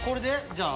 じゃあ。